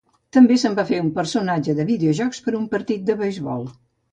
També se'n va fer un personatge de videojocs per un partit de beisbol.